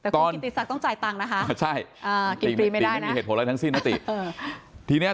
กิติศักดิ์ต้องจ่ายตังค์นะคะใช่สินที่นั้นมีเหตุผลแล้วทั้งสิ้นพี่ตั้งนี้